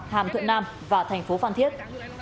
hàm thuận nam và tp phan thiết